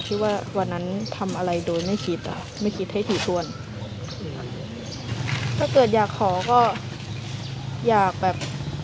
ที่ว่าวันนั้นทำอะไรโดยไม่คิดอ่ะไม่คิดให้ถี่ถ้วนถ้าเกิดอยากขอก็อยากแบบ